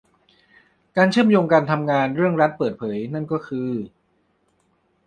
การเชื่อมโยงการทำงานเรื่องรัฐเปิดเผยนั่นก็คือ